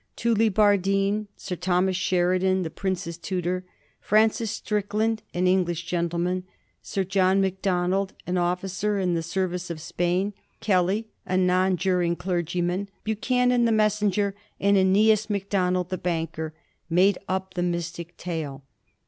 Tullibardine ; Sir Thomas Sheridan, the prince's tutor ; Francis Strickland, an English gentleman ; Sir John Mac donald, an ofScer in the service of Spain ; Kelly, a non* juring clergyman ; Buchanan, the messenger, and JBneas Macdonald, the banker, made up the mystic tale.